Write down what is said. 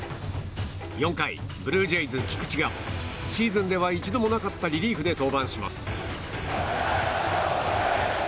４回ブルージェイズ、菊池がシーズンでは１度もなかったリリーフで登板します。